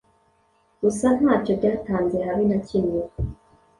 gusa ntacyo byatanze habe na kimwe